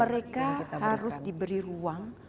mereka harus diberi ruang